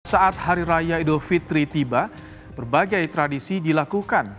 saat hari raya idul fitri tiba berbagai tradisi dilakukan